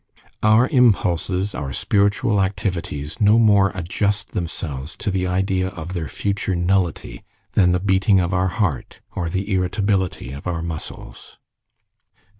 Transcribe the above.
Our impulses, our spiritual activities, no more adjust themselves to the idea of their future nullity, than the beating of our heart, or the irritability of our muscles.